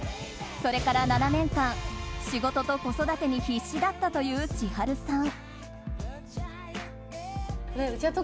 それから７年間仕事と子育てに必死だったという千春さん。